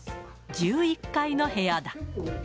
１１階の部屋だ。